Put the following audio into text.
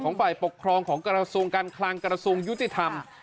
ของฝ่ายปกครองของกรสูรการคลังกรสูรยุทธิธรรม